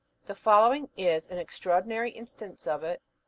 The following is an extraordinary instance of it.